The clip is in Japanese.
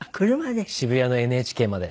渋谷のＮＨＫまで。